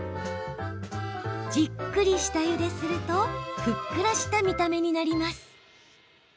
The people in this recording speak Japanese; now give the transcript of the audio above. じっくり下ゆでするとふっくらした見た目になります。